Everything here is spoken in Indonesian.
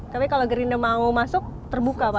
tapi kalau gerindra mau masuk terbuka pak